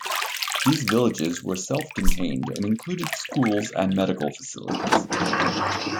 These "villages" were self-contained and included schools and medical facilities.